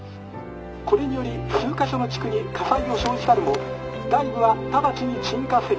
これにより数か所の地区に火災を生じたるも大部は直ちに鎮火せり。